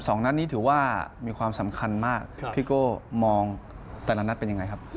สองนัดนี้ถือว่ามีความสำคัญมากพี่โก้มองแต่ละนัดเป็นยังไงครับ